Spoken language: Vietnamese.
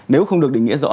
nếu không được định nghĩa rõ